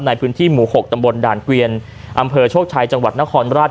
ในพื้นที่หมู่๖ตำบลด่านเกวียนอำเภอโชคชัยจังหวัดนครราช